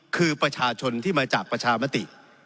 คือประชาชนที่มาจากประชามติ